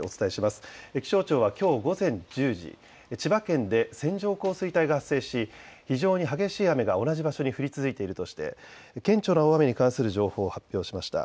気象庁はきょう午前１０時、千葉県で線状降水帯が発生し非常に激しい雨が同じ場所に降り続いているとして顕著な大雨に関する情報を発表しました。